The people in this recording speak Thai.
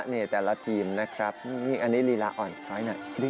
นี่แต่ละทีมนะครับอันนี้ลีลาอ่อนช้อยหน่อย